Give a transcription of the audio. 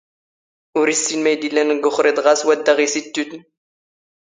ⵓⵔ ⵉⵙⵙⵉⵏ ⵎⴰⵢⴷ ⵉⵍⵍⴰⵏ ⴳ ⵓⵅⵔⵉⴹ ⵖⴰⵙ ⵡⴰⴷⴷⴰⵖ ⵉⵙ ⵉⵜⵜⵓⵜⵏ